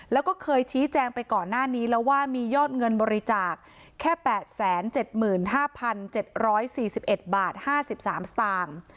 แล้วก็เคยชี้แจงไปก่อนหน้านี้แล้วว่ามียอดเงินบริจาคแค่๘๗๕๗๔๑บาท๕๓สตางค์